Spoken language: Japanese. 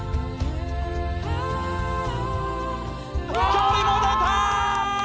距離も出たー！